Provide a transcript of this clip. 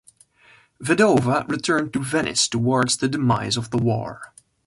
Vedova returned to Venice towards the demise of the war.